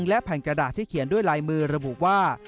และแผ่นกระดาษที่เขียนด้วยลายมือระบุว่า